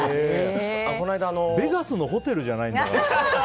べガスのホテルじゃないんだから。